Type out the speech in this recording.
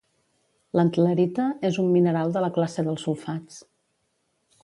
L'antlerita és un mineral de la classe dels sulfats